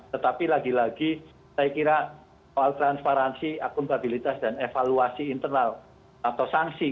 tetapi lagi lagi saya kira soal transparansi akuntabilitas dan evaluasi internal atau sanksi